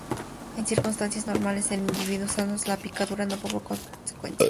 En circunstancias normales, en individuos sanos la picadura no provoca consecuencias graves.